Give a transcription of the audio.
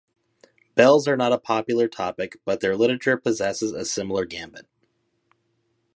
Bells are not a popular topic, but their literature possesses a similar gambit.